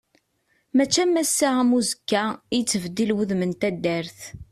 Mačči am ass-a am uzekka i yettbeddil wudem n taddart.